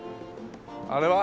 あれは？